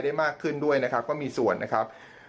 ได้มากขึ้นด้วยนะครับก็มีส่วนนะครับ